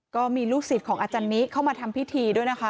ก็มีลูกศิษย์ของอาจารย์นิเข้ามาทำพิธีด้วยนะคะ